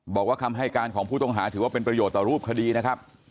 บอกว่าคำให้การของผู้ต้องหาถือว่าเป็นประโยชน์ต่อรูปคดีนะครับ